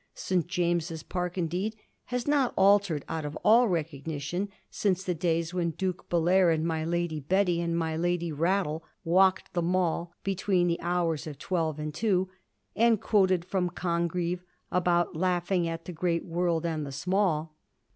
St. James's Park indeed has not altered out of all recognition since the days when Duke Belair and my Lady Betty and my Lady Rattle walked the Mall between the hours of twelve and two, and quoted fi*om Congreve about laughing at the great world and the small.